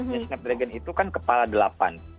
yang snapdragon itu kan kepala delapan